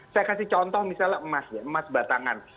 saya kasih contoh misalnya emas ya emas batangan